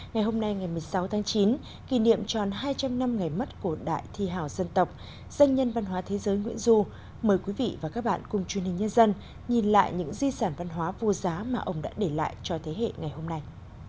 ngày hôm nay ngày một mươi sáu tháng chín kỷ niệm tròn hai trăm linh năm ngày mất của đại thi hào dân tộc danh nhân văn hóa thế giới nguyễn du mời quý vị và các bạn cùng truyền hình nhân dân nhìn lại những di sản văn hóa vô giá mà ông đã để lại cho thế hệ ngày hôm nay